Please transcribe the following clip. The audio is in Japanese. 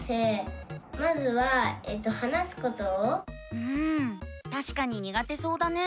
うんたしかににがてそうだね。